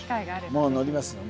もう乗りますよ